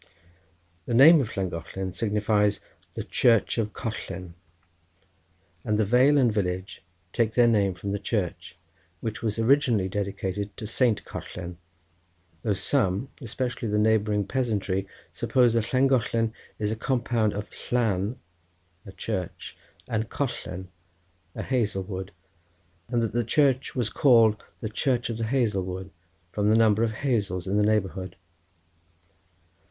The name of Llangollen signifies the church of Collen, and the vale and village take their name from the church, which was originally dedicated to Saint Collen, though some, especially the neighbouring peasantry, suppose that Llangollen is a compound of Llan a church and Collen a hazel wood, and that the church was called the church of the hazel wood from the number of hazels in the neighbourhood.